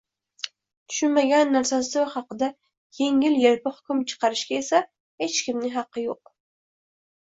Tushunmagan narsasi haqida yengil-elpi hukm chiqarishga esa hech kimning haqqi yoʼq!